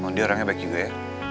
mau diorangnya baik juga ya